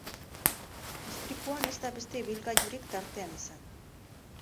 Istripuan ez da beste ibilgailurik tartean izan.